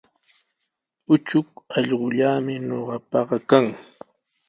Uchuk allqullami ñuqapaqa kan.